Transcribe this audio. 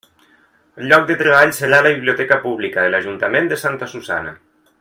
El lloc de treball serà la biblioteca Pública de l'Ajuntament de Santa Susanna.